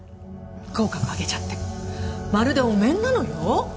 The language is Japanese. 口角を上げちゃってまるでお面なのよ。